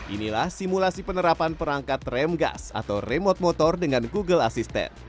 inilah simulasi penerapan perangkat rem gas atau remote motor dengan google assistant